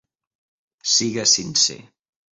Sigues sincer.